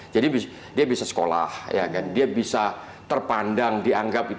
jadi dia bisa sekolah dia bisa terpandang dianggap